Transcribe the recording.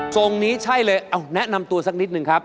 ทรงนี้ใช่เลยเอาแนะนำตัวสักนิดนึงครับ